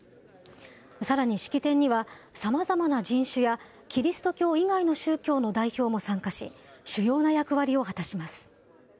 さらに、式典にはさまざまな人種やキリスト教以外の宗教の代表も参加し、主要な役割を果たします。